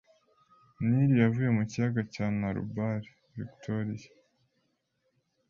Nili yavuye mu kiyaga cya Nalubale Victoria